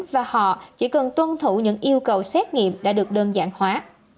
và họ chỉ cần tuân thủ những yêu cầu xét nghiệm đã được đơn giản hóa